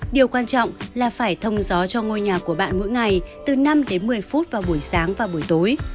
điều quan trọng là phải thông gió cho ngôi nhà của bạn mỗi ngày từ năm đến một mươi phút vào buổi sáng và buổi tối